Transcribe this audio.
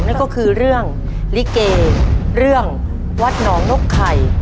นั่นก็คือเรื่องลิเกเรื่องวัดหนองนกไข่